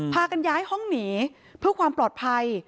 พากันย้ายห้องหนีเพื่อความปลอดภัย